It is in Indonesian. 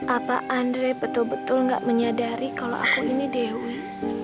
apa andre betul betul gak menyadari kalau aku ini dewi